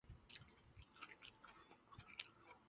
王竹怀生于清朝光绪十二年。